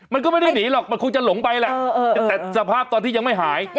มันก็ไม่ได้หนีหรอกมันคงจะหลงไปแหละแต่สภาพตอนที่ยังไม่หาย